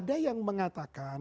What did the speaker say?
ada yang mengatakan